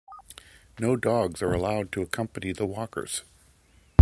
No dogs are allowed to accompany the walkers.